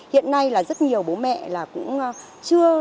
hiện nay là rất nhiều bố mẹ là cũng chưa